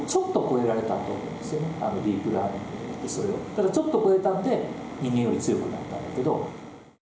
ただちょっと超えたんで人間より強くなったんだけど。